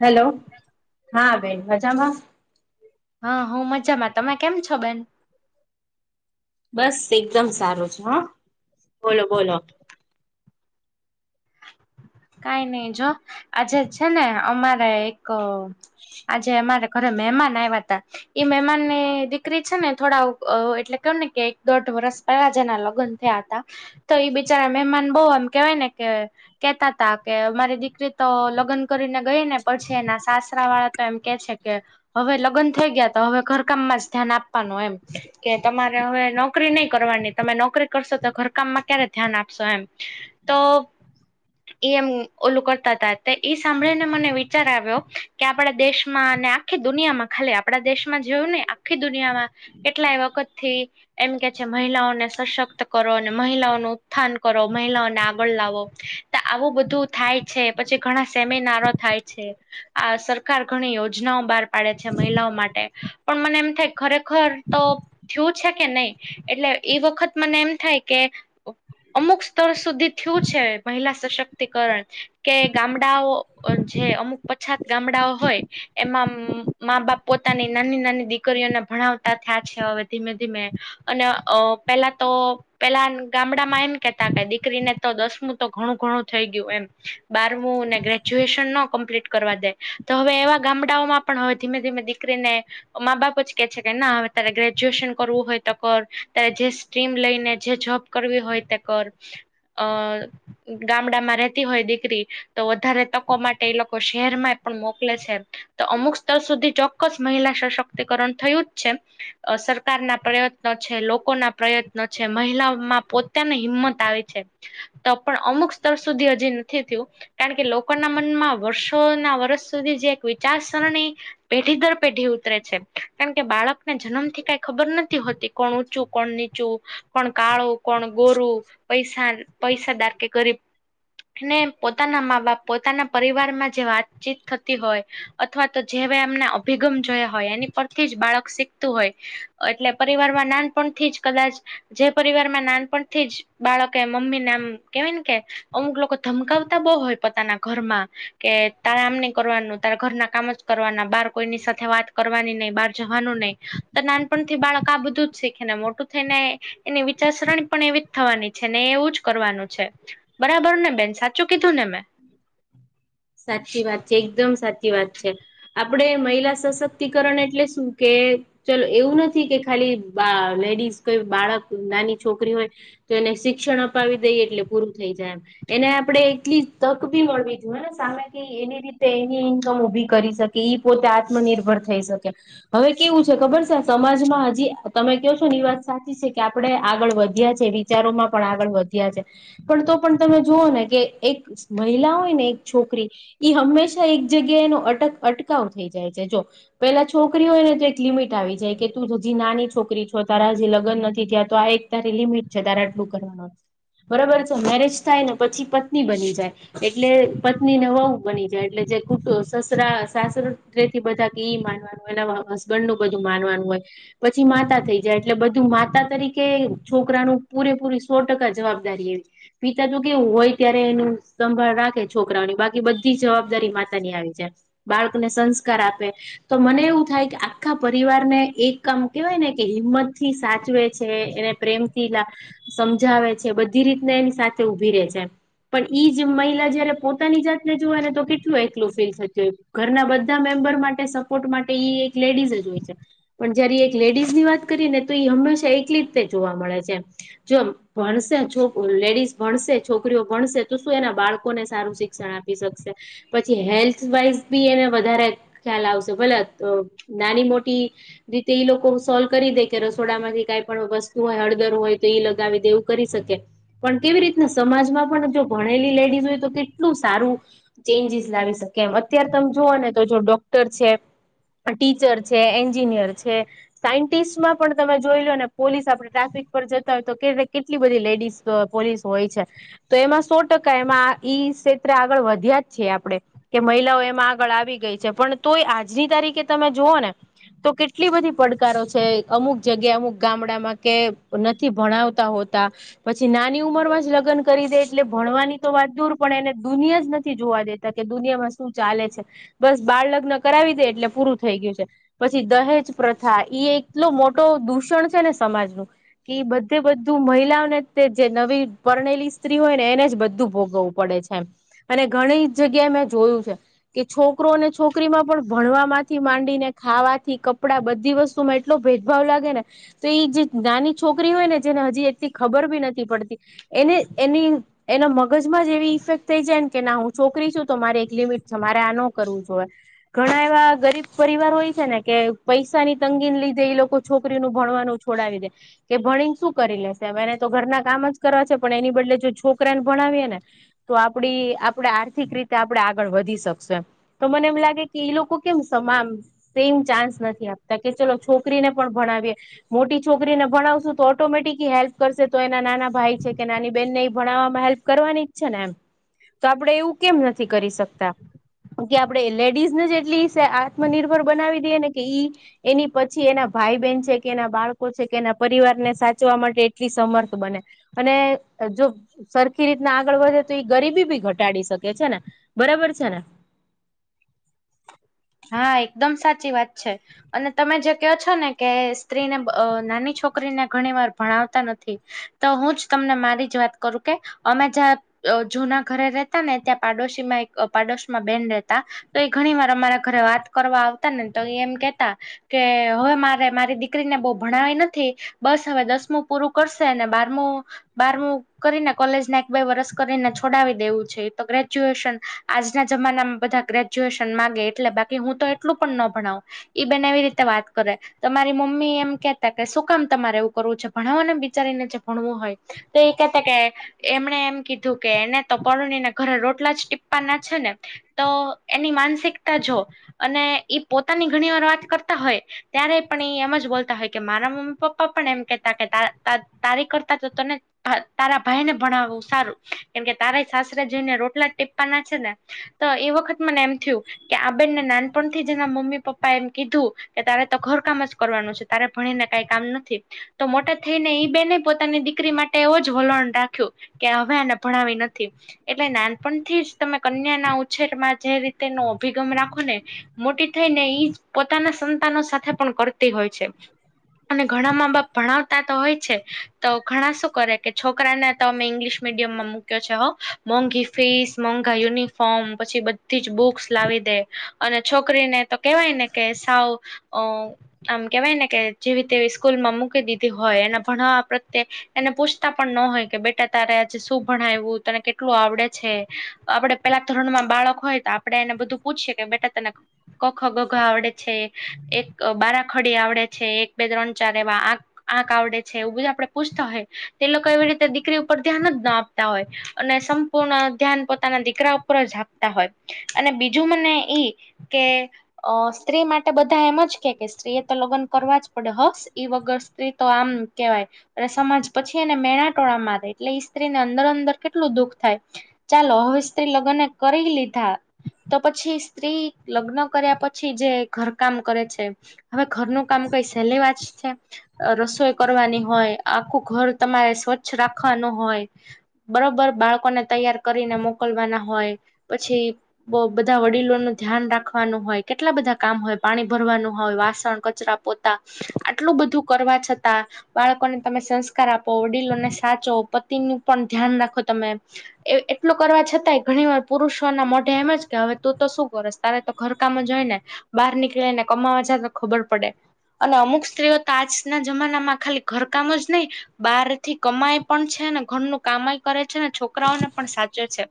Hello હા બેન મજામાં. હા હું મજામાં તમે કેમ છો બેન. બસ એકદમ સારું છે હા બોલો બોલો. કાઈ નઈ જો આજે છે ને અમારે એક આજે અમારે. ઘરે મહેમાન આવાતા. ઈ મહેમાન ને દીકરી છે ને થોડા એટલે કેવ ને કે એક દોઢ વર્ષ. પેલાજ એના લગ્ન થયા હતા તો એ બિચારા મહેમાન બહુ એમ કેહેવાય ને કે કેતા. તા કે મારી દીકરી તો લગ્ન કરીને ગઈ ને પછી એના સાસરા વાળા તો એમ કે છે કે. હવે લગ્ન થઈ ગયા તો હવે ઘરકામમાં જ ધ્યાન આપવાનું એમ. કે તમારે હવે નોકરી નહી કરવાની તમે નોકરી કરશો તો ઘરકામમાં ક્યારે ધ્યાન આપશો એમ. તો એ એમ ઓલું કરતા હતા તે ઈ સાંભળીને મને વિ. વિચાર આવ્યો કે આપણા દેશમાં અને આખી દુનિયામાં ખાલી આપણા દેશમાં જોયું ને આખી દુનિયામાં. કેટલા એ વખતથી. એમ કે છે મહિલાઓને સશક્ત કરો અને મહિલાઓનું ઉત્થાન કરો મહિલાઓને આગળ લાવો. આવું બધું થાય છે પછી ઘણા સેમિનારો થાય છે આ સરકાર ઘણી યોજના. યોજનાઓ બહાર પાડે છે મહિલાઓ માટે પણ મને એમ થાય ખરેખર તો થીયું છે કે નહી. એટલે એ વખત મને એમ થાય કે અમુક સ્તર સુધી થીયું છે મહિલા સશક્તિકરણ કે ગામડાઓ જે અમુક પછાત ગામડાઓ હોય એમાં મા બાપ પોતાની નાની નાની દીકરીઓને ભણાવતા થયા છે હવે ધીમે ધીમે અને અ પેલા તો. પેલા ગામડામાં એમ કેતા કે દીકરીને તો દસમું તો ઘણું ઘણું થઈ ગયું એમ બારમું ને ગ્રેજ્યુએશન ન કમ્પ્લીટ કરવા દે. તો હવે એવા ગામડાઓમાં પણ હવે ધીમે ધીમે દીકરીને મા બાપ જ કે છે કે ના હવે તારે ગ્રેજ્યુએશન કરવું હોય તો કર તારે જે સ્ટ્રીમ લઈને જે જોબ કરવી હોય તો કર અ. ગામડામાં રતી હોય દીકરી તો વધારે તકો માટે એ લોકો શહેર માં પણ મોકલે છે. તો અમુક સ્તર સુધી ચોક્કસ મહિલા સશક્તિકરણ થયું જ છે અ સરકારના પ્રયત્ન તો છે લોકો ના પ્રયત્ન છે મહિલાઓમાં પોતાની હિંમત આવે છે તો. પણ અમુક સ્તર સુધી હજી નથી થયું કારણ કે લોકોના મનમાં વર્ષો ના વર્ષ સુધી જે વિચાર સરણી પેઢી દર પેઢી ઉતરે છે. કારણ કે બાળકને જન્મ થી કઈ ખબર નથી હોતી કોણ ઊંચું કોણ નીચું કોણ કાળું કોણ ગોરું પૈસા પૈસાદાર કે ગરીબ ને પોતાના મા બાપ પોતાના પરિવારમાં જે વાતચીત થતી હોય અથવા તો જેવા એમના અભિગમ જોયા હોય એની પરથી જ બાળક શીખતું હોય. એટલે પરિવારમાં નાનપણથી જ કદાચ જે પરિવાર માં નાનપણથી જ બાળકે મમ્મી આમ કેવાય ને કે અમુક લોકો ધમકાવતા બહુ હોય પોતાના ઘરમાં કે તારે આમ ન કરવાનું તારા ઘરના કામ જ કરવાના બાર કોઈની સાથે વાત કરવાની નહી બહાર જવાનું નહી તો નાન પણથી બાળક આ બધું જ શીખે ને મોટું થઈ ને એની વિચારસરણી પણ એવી જ થવાની છે ને એવું જ કરવાનું છે બરાબર ને બેન સાચું કીધું ને મેં. સાચી વાત છે એકદમ સાચી વાત છે. આપણેે મહિલા સશક્તિકરણ એટલે શું કે ચલો એવું નથી કે ખાલી આ લેડીસ કોઈ બાળક નાની છોકરી હોય તો એને શિક્ષણ અપાવી દઈએ એટલે પૂરું થઈ જાય એમ. એને આપડે એટલી તક બી મળવી જોઈએને. સામે કે એની રીતે એની ઇન્કમ ઊભી કરી શકે એ પોતે આત્મનિર્ભર થઈ શકે. હવે કેવું છે ખબર છે સમાજમાં હજી તમે કયો છો ને ઈ વાત સાચી છે કે આપણે આગળ વધ્યા છે વિચારોમાં પણ આગળ વધ્યા છે પણ તો પણ તમે જુઓ ને કે એક મહિલા હોય ને એક છોકરી એ હંમેશા એક જગ્યા એનો અટક અટકાવ થઈ જાય છે જો પેલા છોકરીઓને તો એક લિમિટ આવી જાય કે તું હજી નાની છોકરી છો તારા હજી લગ્ન નથી થયાં તો આ એક તારી લિમિટ છે તારે આટલું કરવાનું બરોબર છે મેરેજ થાય ને પછી પત્ની બની જાય એટલે પત્ની ને વહુ બની જાય એટલે જે કુટું સસરા સાસરથી બધા ઈ માનવાનું એના મા હસબેન્ડ નું બધું માનવાનું હોય. પછી માતા થઈ જાય એટલે બધું માતા તરીકે છોકરાનું પૂરેપૂરી સો ટકા જવાબદારી એ પિતા નુ કેવું હોય ત્યારે એનું સંભાળ રાખે. છોકરાઓની બાકી બધી જવાબદારી માતાની આવી જાય બાળકને સંસ્કાર આપે તો મને એવું થાય કે આખા પરિવારને એક કામ કેવાય ને કે હિંમત થી સાચવે છે એને પ્રેમથી લા. સમજાવે છે બધી રીતને એની સાથે ઉભી રહે છે પણ ઈ જે મહિલા જયારે પોતાની જાતને જોવા ને તો કેટલું એકલું ફીલ થતું હોય ઘરના બધા મેમ્બર માટે પોર્ટ માટે ઈ એક લેડીઝ જ હોય છે. પણ જયારે એ એક લેડીઝ ની વાત કરીએ ને તો હંમેશા એકલી રીતે જોવા મળે છે એમ. જો ભણશે છોક લેડીસ ભણશે છોકરીઓ ભણશે તો શું એના બાળકોને સારું શિક્ષણ આપી શકશે. પછી હેલ્થ વાઈઝ બી એને વધારે ખ્યાલ આવશે ભલે તો નાની મોટી રીતે ઈ લોકો સોલ્વ કરી દે કે રસોડામાંથી કઈ પણ વસ્તુ હોય હળદર હોય તો એઈ લગાવી દે એવું કરી શકે. પણ કેવી રીતના સમાજમાં પણ જો ભણેલી લેડીઝ હોય તો કે કેટલું સારું ચેન્જીસ લાવી શકે એમ અત્યારે તમે જોઓ ને તો જો ડોક્ટર છે ટીચર છે, એન્જિનિયર છે સાયન્ટિસ્ટમાં પણ તમે જોઈ લો ને પોલીસ આપણે ટ્રાફિક પર જતા હોય તો કે કેટલી બધી લેડીઝ ત પોલીસ હોય છે તો એમાં સો ટકા એમાં ઈ ક્ષેત્ર આગળ વધ્યા જ છીએ આપડે. કે મહિલાઓ એમાં આગળ આવી ગઈ છે પણ તોય આજની તારીખે તમે જુઓ ને તો કેટલી બધી પડકારો છે અમુક જગ્યા અમુક ગામડામાં કે નથી ભણાવતા હોતા પછી નાની ઉંમર માં જ લગ્ન કરી દે એટલે ભણવાની તો વાત દૂર પણ એને દુનિયા જ નથી જોવા દેતા કે દુનિયામાં શું ચાલે છે. બસ બાળ લગ્ન કરાવી દે એટલે પૂરું થઈ ગ્યું છે. પછી દહેજ પ્રથા એ એટલો મોટો દૂષણ છે ને સમાજનું. કે બધે બધું મહિલાઓને તે જે નવી પરણેલી સ્ત્રી હોય ને એને જ બધું ભોગવું પડે છે એમ અને ઘણી જગ્યાએ મેં જોયું છે કે છોકરોને છોકરીમાં પણ ભણવા માંથી માંડીને ખાવાથી કપડા બધી વસ્ત તુમાં એટલો ભેદભાવ લાગે ને તો ઈ જે નાની છોકરી હોય ને જેને હજી એથી ખબર બી નથી પડતી એને એની એના મગજમાં જે ઇફેક્ટ થઈ જાયને કે ના હું છોકરી છું તો મારે એક લિમિટ મારે આ ન કરવું જોઈએ. ઘણા એવા ગરીબ પરિવાર હોય છે ને કે પૈસા ની તંગીન લીધે એ લોકો છોકરી નું ભણવાનું છોડાવી દે. કે ભણીન શું કરી લેશે હવે એને તો ઘરના કામ જ કરવા છે પણ એની બદલે જો છોકરાને ભણાવીએ ને તો આપડી આપણે આર્થિક રીતે આપડે આગળ વધી શકશે. તો મને એમ લાગે કે ઈ લોકો કેમ સમામ સેમ ચાન્સ નથી આપતા કે ચલો છોકરીને પણ ભણાવીએ મોટી છોકરીને ભણાવશું તો ઓટોમેટિકલી હેલ્પ કરશે તો એના નાના ભાઈ છે કે નાની બેહેનને ભણાવવામાં હેલ્પ કરવાની ઈચ્છે ને એમ તો આપડે એવું કેમ નથી કરી શકતા. કે આપડે લેડીઝને જે એટલી સે આત્મનિર્ભર બનાવી દઈએ ને કે ઈ એની પછી એના ભાઈ-બહેન છે કે એના બાળકો છે કે એના પરિવારને સાચવા માટે એટલી સમર્થ બને. અને જો સરખી રીતના આ આગળ વધે તો એ ગરીબી ભી ઘટાડી શકે છે ને બરાબર છે ને. હા એકદમ સાચી વાત છે. અને તમે જે કહો છો ને કે સ્ત્રીને અ નાની છોકરીને ઘણી વાર ભણાવતા નથી. તો હું જ તમને મારી જ વાત કરું કે અમે જ્યાં અ જૂના ઘરે રેતા ને ત્યાં પાડોશી માં એક પાડોશમાં બેન રેતા. તો એ ઘણી વાર અમારા ઘરે વાત કરવા આવતા ને તો એમ કેતા કે હવે મારે મારી દીકરીને બહુ ભણાવી નથી બસ હવે દસમું પૂરું કરશે અને બારમું બારમું કરીને કોલેજને એક બે વરસ કરીને છોડાવી દેવું છે તો ગ્રેજ્યુએશન આજના જમાનામાં બધા ગ્રેજ્યુએશન માંગે એટલે બાકી હું તો એટલું પણ ન ભણાવું. ઈ બેન એવી રીતે વાત કરે. તમારી મમ્મી એમ કેતા કે શું કામ તમારે એવું કરવું છે ભણાવો ને બિચારીને જે ભણવું હોય. તે ઈ કેતા કે એમણે એમ કીધું કે એને તો પરણીને ઘરે રોટલા જ ટીપ્પા ના છે ને. તો એની માનસિકતા જોવો અને ઈ પોતાની ઘણી વાર વાત કરતા હોય ત્યારે પણ ઈ એમ જ બોલતા હોય કે મારા મમ્મી પપ્પા પણ એમ કેહેતા કે તા તા તારી કરતા તો તને હા તારા ભાઈ ને ભણાવવું સારું કેમકે તારાય સાસરે જઈને રોટલા ટીપ્પાના છે ને. તો એ વખત મને એમ થ્યું કે આ બેેનને નાનપણથી જેના મમ્મી પપ્પા એમ કીધું કે તારે તો ઘર કામ જ કરવાનું છે તારે ભણીને કઈ કામ નથી. તો મોટા થઈને ઈ બેન પોતાની દીકરી માટે એવો જ વલણ રાખ્યું. કે હવે એને ભણાવી નથી. એટલે નાનપણથી જ તમે કન્યા ના ઉછેર માં જે રીતેનો, અભિગમ રાખો ને મોટી થઈ ને ઈ પોતાના સંતાનો સાથે પણ કરતી હોય. છે, અને ઘણામાં બાપ ભણાવતા તો હોય છે, તો ઘણા શું કરે કે છોકરાને તો અમે ઇંગ્લિશ મીડિયમમાં મૂક્યો છે હો મોંઘી ફીસ, મોંઘા યુનિફોર્મ પછી બધી જ બુક્સ, લાવી દે અને છોકરીને તો કેવાય ને કે સાવ અ આમ કેવાય ને કે જેવીતે સ્કૂલમાં મૂકી દીધી હોય એના ભણાવવા પ્રત્યે એને પૂછતા પણ ન હોય, કે બેટા તારે આજે શું ભણાવું તને કેટલું આવડે છે. આપડે પહેલા ધોરણમાં બાળક હોય તો આપ આપણે એને બધું પૂછીય કે બેટા તને ક ખ ગ આવડે છે એક બાર ખડી આવડે છે એક બે ત્રણ ચાર એવા આ આંક આવડે છે એવું બધા આપડે પૂછતા હોય તે લોકો એવી રીતે દીકરી ઉપર ધ્યાન જ ના આપતા હોય અને સમ્ પૂર્ણ ધ્યાન પોતાના દીકરા ઉપર જાપતા હોય અને બીજું મને ઈ કે, અ સ્ત્રી માટે બધા એમ જ કે કે સ્ત્રી એ તો લગ્ન કરવા જ પડે હ ઇ વગર સ્ત્રી તો આમ કહેવાય અને સમાજ પછી એને મેણાટોળા મારે એટલે ઈ સ્ત્રીને અંદર અંદર કેટલું દુઃખ થાય ચાલો હવે સ્ત્રી લગ્નને કરી લીધા તો પછી, સ્ત્રી લગ્ન કર્યા પછી જે ઘરકામ કરે છે. હવે ઘરનું કામ કઈ સહેલી વાત જ છે રસોઈ કરવાની હોય, આખું ઘર તમારે સ્વચ્છ રાખવાનું હોય. બરોબર બાળકોને તૈયાર કરીને મોકલવાના હોય પછી. બ બધા વડીલોનું ધ્યાન રાખવાનું હોય, કેટલા બધા કામ હોય, પાણી ભરવાનું હોય, વાસણ, કચરા પોતા આટલું બધું કરવા છતાં બાળકોને તમે સંસ્કાર આપો વડીલોને સાચો પતિનું પણ ધ્યાન રાખો તમે એ એટલું કરવા છતાંય ઘણી વાર પુરુષોના મો એમજ કે હવે તું તો શું કરસ તારે તો ઘરકામ જ હોય ને બહાર નીકળે ને કમાવા જાય તો ખબર પડે. અને અમુક સ્ત્રીઓ તો આજના જમાનામાં ખાલી ઘરકામ જ નહી, બહાર થી કમાય પણ છે ને, ઘરનું કામય કરે છે ને, છોકરાઓને પણ સાચવે છે.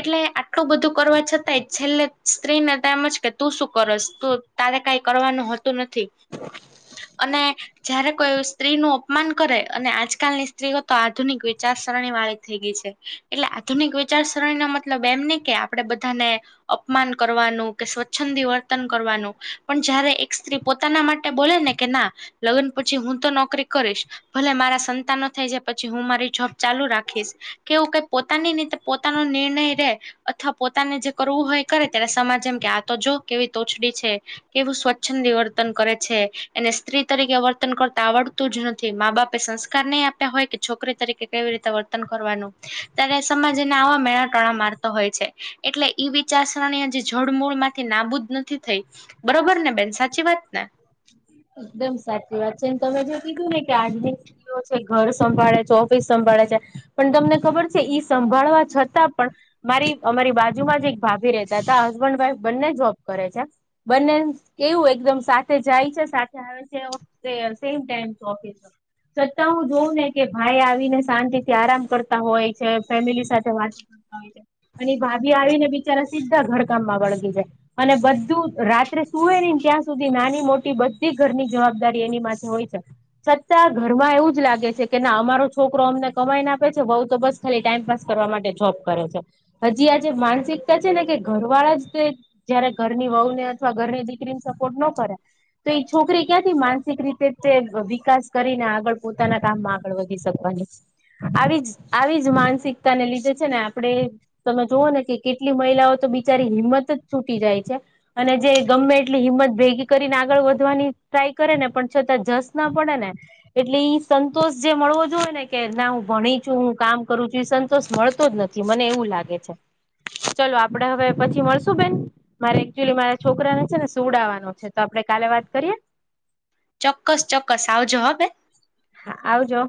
એટલે આટલું બધું. કરવા છતાંય છેલ્લે સ્ત્રીને તેમજ કે તું શું કરશ તું. તારે કાઈ કરવાનું હોતું નથી, અને જયારે કોઈ સ્ત્રી નું અપમાન કરે અને આજકાલની સ્ત્રીઓ તો આધુનિક વિચારસરણી વાળી થઈ ગઈ છે. એટલે આધુનિક વિચારસરણી નો મતલબ એમ નઇ કે આપડે બધાને, અપમાન કરવાનું કે સ્વચ્છંદી વર્તન કરવાનું પણ જયારે એક સ્ત્રી પોત પોતાના માટે બોલે ને કે ના લગ્ન પછી હું તો નોકરી કરીશ, ભલે મારા સંતાનો થઈ જાય પછી હું મારી જોબ ચાલુ રાખીશ. કેવું કઈ પોતાની રીતે પોતાનો નિર્ણય રે અ થ પોતાને જે કરવું હોય કરે ત્યારે સમાજ એમ કે આ તો જો કેવી તોચડી છે‌. કેવું સ્વચ્છંદી વર્તન કરે છે એને સ્ત્રી તરીકે વર્તન કરતા આવડતું જ નથી મા બાપ પે સંસ્કાર નહી આપ્યા હોય કે છોકરી તરીકે કેવી રીતે વર્તન કરવાનું, ત્યારે સમાજને આવા મેણા ટણા મારતો હોય છે. એટલે ઈ વિચારસરણી અજી જડમૂળ માંથી નાબૂદ નથી થઈ બરોબર ને બેન સાચી વાત ને એકદમ સાચી વાત છેને તમે જો કીધું ને કે આજ દિ વસે ઘર સંભાળે છે, ઓફિસ સંભાળે છે. પણ તમને ખબર છે ઈ સંભાળવા છતાં પણ મારી અમારી બાજુમાં જ એક ભાભી રેતા હતા હસબન્ડ વાઈફ બંને જોબ કરે છે. બંને કેવું એકદમ સાથે જાય છે સાથે આવે છે સેમ ટાઈમ ઓફિસનો છતાં હું જોઉં ને કે ભાઈ આવીને શાંતિ થી આરામ કરતા હોય છે ફેમિલી સાથે વાત કરતા હોય અને ભાભી આવીને બિચારા સીધા ઘરકામમાં વળગી જાય અને બધું રાત્રે સુવે નય ત્યાં સુધી નાની મોટી બધી ઘરની જવાબદારી એની માથે હોય છે. છતાં ઘરમાં એવું જ લાગે છે કે ના અમારો છોકરો અમને કમાઈને આપે છે વહુ તો બસ ખાલી ટાઈમપાસ કરવા માટે જોબ કરે છે. હજી આ જેે માનસિકતા છે ને કે ઘર વાળા જ તે જયારે ઘરની વહુ ને અથવા ઘરની દીકરી ને સપોર્ટ નો કરે તો એ છોકરી ક્યાંથી માનસિક રીતે તે વિકાસ કરીને આગળ પોતાના કામમાં આગળ વધી શકવાની આવી જ આવી જ માનસિકતાને લીધે છે ને આપણેે તમે જુઓ ને કે કેટલી મહિલાઓ તો બિચારી હિંમત જ છૂટી જાય છે. અને જે ગમે એટલી હિંમત ભેગી કરીને આગળ વધવાની ટ્રાય કરે ને પણ છતાં જસ ના પડે ને એટલે ઈ સંતોષ જે મળવો જોએ ને કે ના હું ભણી છું, હું કામ કરું છું એ સંતોષ મળતો જ નથી. મને એવું લાગે છે ચલો આપડે હવે પછી મળશું બેન મારે એકચુલી મારા છોકરાને છે ને સુડાવાનો છે તો આપડે કાલે વાત કરીએ ચોક્કસ ચોક્કસ આવજો હો બેન હા આવ જો.